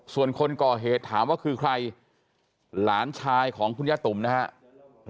ส่วนคนก่อเหตุถามว่าคือใครหลานชายของคุณย่าตุ๋มนะครับ